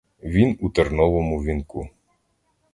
Він у терновому вінку.